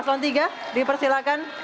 paswan tiga dipersilakan